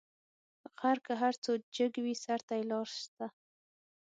غر که هر څو جګ وي؛ سر ته یې لار سته.